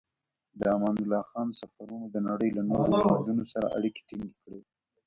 د امان الله خان سفرونو د نړۍ له نورو هېوادونو سره اړیکې ټینګې کړې.